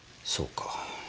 そうか。